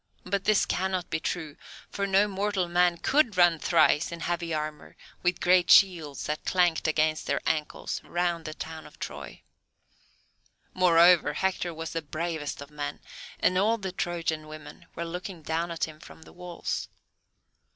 But this cannot be true, for no mortal men could run thrice, in heavy armour, with great shields that clanked against their ankles, round the town of Troy: moreover Hector was the bravest of men, and all the Trojan women were looking down at him from the walls.